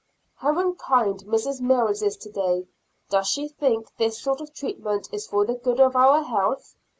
How unkind Mrs. Mills is today; does she think this sort of treatment is for the good of our health?